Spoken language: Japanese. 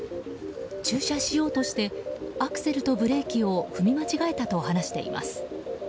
駐車しようとしてアクセルとブレーキを踏み間違えたと話しています。